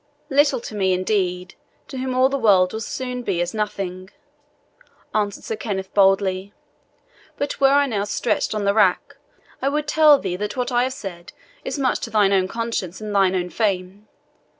"Little to me, indeed, to whom all the world will soon be as nothing," answered Sir Kenneth boldly; "but were I now stretched on the rack, I would tell thee that what I have said is much to thine own conscience and thine own fame.